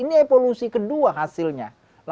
ini evolusi kedua hasilnya